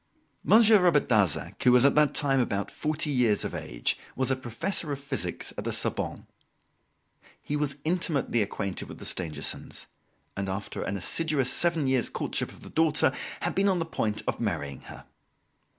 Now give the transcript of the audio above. Monsieur Robert Darzac, who was at that time about forty years of age, was a professor of physics at the Sorbonne. He was intimately acquainted with the Stangersons, and, after an assiduous seven years' courtship of the daughter, had been on the point of marrying her.